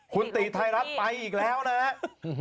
คุณติไทยรัฐไปอีกแล้วนะครับ